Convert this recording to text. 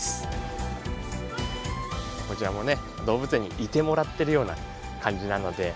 こちらも動物園にいてもらってるような感じなので。